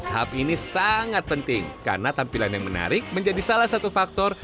hub ini sangat penting karena tampilan yang menarik menjadi salah satu faktor